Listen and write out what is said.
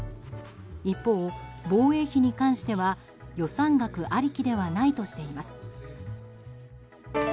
一方、防衛費に関しては予算額ありきではないとしています。